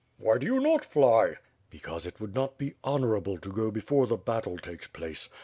"Why do you not fly?" "Because it would not be honorable to go before the battle takes place.